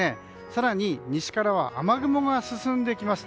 更に、西からは雨雲が進んできます。